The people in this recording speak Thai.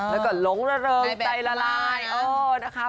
แล้วก็หลงระเริงใจละลายนะคะ